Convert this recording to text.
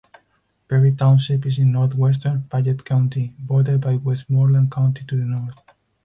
Perry Township is in northwestern Fayette County, bordered by Westmoreland County to the north.